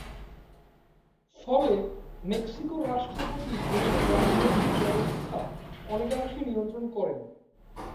ফলে মেক্সিকোর রাষ্ট্রপতি দেশের রাজনৈতিক ব্যবস্থা অনেকাংশেই নিয়ন্ত্রণ করেন।